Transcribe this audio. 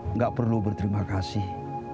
enggak perlu berterima kasih